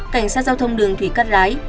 cảnh sát giao thông đường thủy cát rái